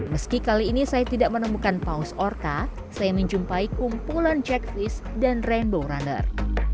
meski kali ini saya tidak menemukan paus orka saya menjumpai kumpulan jack fish dan rainbow runner